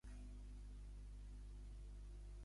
Fins i tot de fiar, de deixar a pagar.